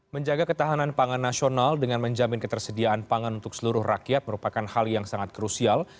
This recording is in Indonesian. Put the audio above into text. menjaga ketahanan pangan nasional dengan menjamin ketersediaan pangan untuk seluruh rakyat merupakan hal yang sangat krusial